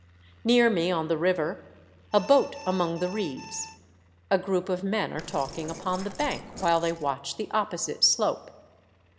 Near me, on the river, a boat among the reeds. A group of men are talking upon the bank, while they watch the opposite slope.